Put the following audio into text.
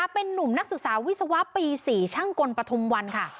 เป็นนุ่มนักศึกษาวิศวะปี๔ช่างกลปฐุมวันค่ะ